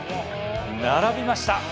並びました！